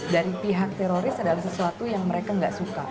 dari pihak teroris adalah sesuatu yang mereka nggak suka